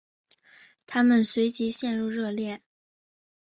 他们随即陷入热恋。